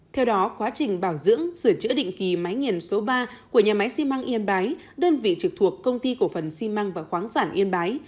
theo đó quá trình bảo dưỡng sửa chữa định kỳ máy nghiền số ba của nhà máy xi măng yên bái đơn vị trực thuộc công ty cổ phần xi măng và khoáng sản yên bái